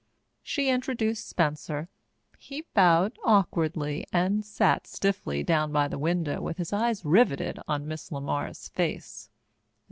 She introduced Spencer. He bowed awkwardly and sat stiffly down by the window with his eyes riveted on Miss LeMar's face.